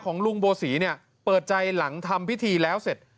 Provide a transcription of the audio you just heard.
ลุงโบศีเนี่ยเปิดใจหลังทำพิธีแล้วเสร็จ